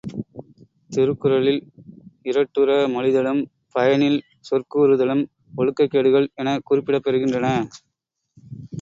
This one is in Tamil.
திருக்குறளில் இரட்டுற மொழிதலும், பயனில் சொற் கூறுதலும், ஒழுக்கக் கேடுகள் எனக் குறிப்பிடப் பெறுகின்றது.